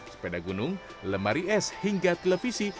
sepeda gunung lemari es hingga televisi